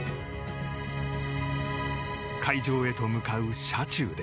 会場へと向かう車中で。